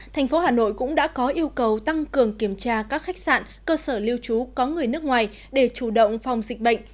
thành phố hà nội cũng đã có yêu cầu tăng cường kiểm tra các khách sạn cơ sở lưu trú có người nước ngoài để chủ động phòng dịch bệnh